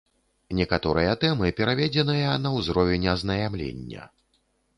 Некаторыя тэмы пераведзеныя на ўзровень азнаямлення.